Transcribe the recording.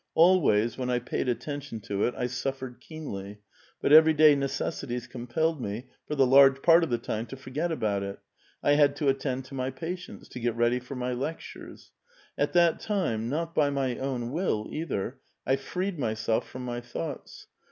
Al ways, when I paid attention to it, I suffered keenly ; but ever}' day necessities compelled me, for the large part of the time, to forget about it. I had to attend to my patients ; to get ready for my lectures. At that time, not by my own will either, I freed myself from my thoughts.